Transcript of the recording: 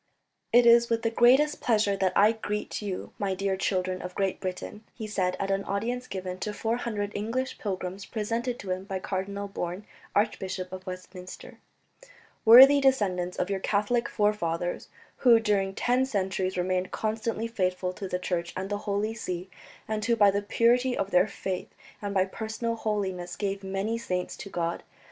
"It is with the greatest pleasure that I greet you, my dear children of Great Britain," he said at an audience given to four hundred English pilgrims presented to him by Cardinal Bourne, Archbishop of Westminster, "worthy descendants of your Catholic forefathers who during ten centuries remained constantly faithful to the Church and the Holy See, and who by the purity of their faith and by personal holiness gave many saints to God.